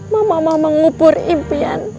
mama mama mengubur impian